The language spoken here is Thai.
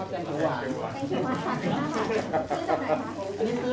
หายเข้ามาเลยครับอันนี้ยกมาฝากถามโหลดแล้วนะครับ